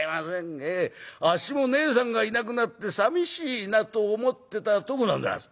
ええあっしもねえさんがいなくなってさみしいなと思ってたとこなんでございます』